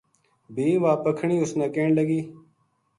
بھی واہ پکھنی اُس نا کہن لگی